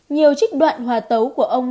nhiều trích đoạn hòa tấu của ông